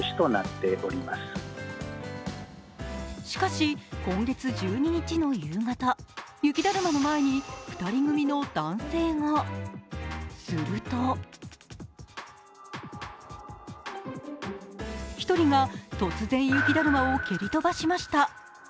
しかし、今月１２日の夕方、雪だるまの前に２人組の男性が、すると１人が突然、雪だるまを蹴り飛ばしました。